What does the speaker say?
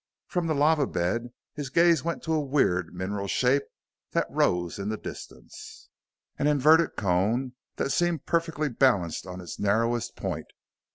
From the lava bed his gaze went to a weird mineral shape that rose in the distance an inverted cone that seemed perfectly balanced on its narrowest point.